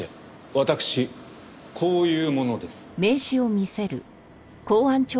私こういう者です。